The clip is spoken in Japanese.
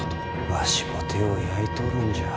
わしも手を焼いとるんじゃ。